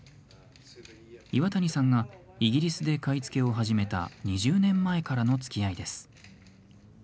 岩谷さんがイギリスで買い付けを始めた２０年前からのつきあいです。